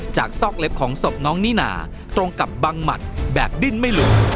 ซอกเล็บของศพน้องนิน่าตรงกับบังหมัดแบบดิ้นไม่หลุด